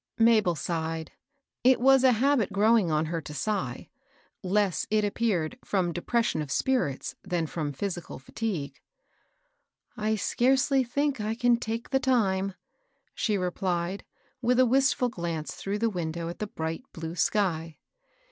Mabel sighed. It was a habit growing on her to sigh, less, it appeared, firom depression of spirits, than firom physical &tigue. ^^ I scarcely think I can take the time," she re phed, with a wistful glance through the window at the bright blue sky.